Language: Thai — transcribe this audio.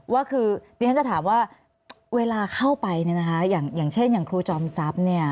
ว่าคือดิฉันจะถามว่าเวลาเข้าไปเนี่ยนะคะอย่างเช่นอย่างครูจอมทรัพย์เนี่ย